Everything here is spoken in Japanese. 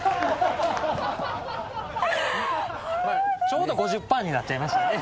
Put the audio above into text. ・ちょうど５０％になっちゃいましたね。